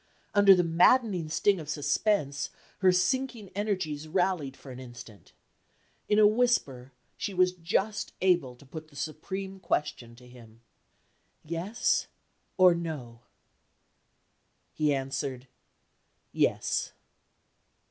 Under the maddening sting of suspense, her sinking energies rallied for an instant. In a whisper, she was just able to put the supreme question to him. "Yes? or No?" He answered: "Yes."